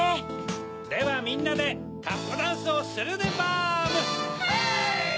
ではみんなでタップダンスをするでバーム！